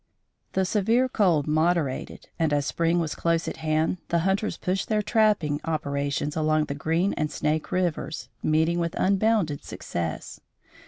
The severe cold moderated, and, as spring was close at hand the hunters pushed their trapping operations along the Green and Snake Rivers, meeting with unbounded success.